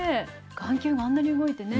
眼球があんなに動いてね。